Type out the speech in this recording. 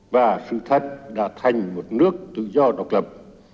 và sự thật đã thành một nước tự do độc lập